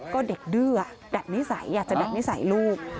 ก็เด็กดื้อดัดนิสัยอยากจะดัดนิสัยลูก